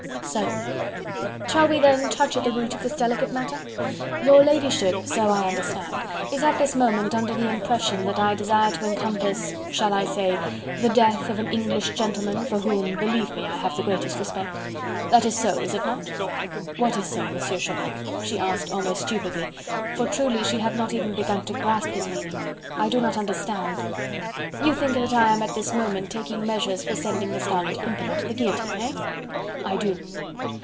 "Certainly." "Shall we then touch at the root of this delicate matter? Your ladyship, so I understand, is at this moment under the impression that I desire to encompass shall I say? the death of an English gentleman for whom, believe me, I have the greatest respect. That is so, is it not?" "What is so, M. Chauvelin?" she asked almost stupidly, for truly she had not even begun to grasp his meaning. "I do not understand." "You think that I am at this moment taking measures for sending the Scarlet Pimpernel to the guillotine? Eh?" "I do."